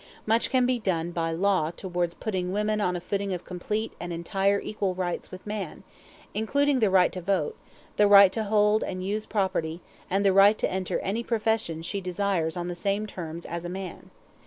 Much can be done by law towards putting women on a footing of complete and entire equal rights with man including the right to vote, the right to hold and use property, and the right to enter any profession she desires on the same terms as a man.